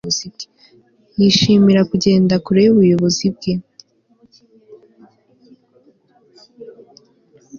yishimira kugenda, kure yubuyobozi bwe